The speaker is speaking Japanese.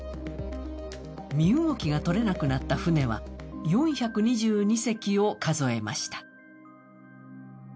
身動きが取れなくなった船は４２２隻を数えました。